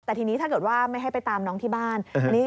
แต่ทีนี้ถ้าเกิดว่าไม่ให้ไปตามน้องที่บ้าน